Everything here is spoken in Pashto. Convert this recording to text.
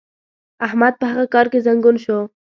احمد په هغه کار کې زنګون شو.